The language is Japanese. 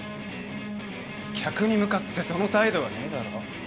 客に向かってその態度はねえだろ？